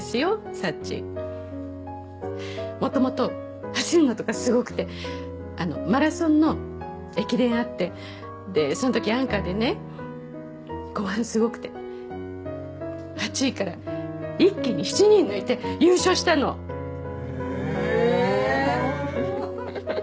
サチもともと走んのとかすごくてあのマラソンの駅伝あってでそのときアンカーでね後半すごくて８位から一気に７人抜いて優勝したのへえーふふ